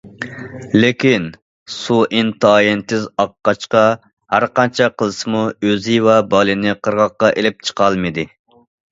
لېكىن، سۇ ئىنتايىن تېز ئاققاچقا، ھەر قانچە قىلسىمۇ ئۆزى ۋە بالىنى قىرغاققا ئېلىپ چىقالمىدى.